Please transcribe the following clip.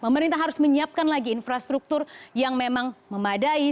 pemerintah harus menyiapkan lagi infrastruktur yang memang memadai